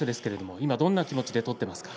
今どんな気持ちで相撲を取ってますか？